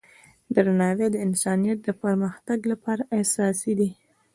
درناوی د انسانیت د پرمختګ لپاره اساسي دی.